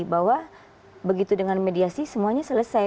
bahwa begitu dengan mediasi semuanya selesai